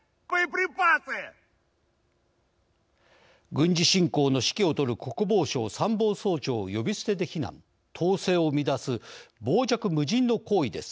軍事侵攻の指揮をとる国防相参謀総長を呼び捨てで非難統制を乱す傍若無人の行為です。